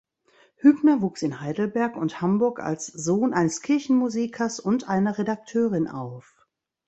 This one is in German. Hübner wuchs in Heidelberg und Hamburg als Sohn eines Kirchenmusikers und einer Redakteurin auf.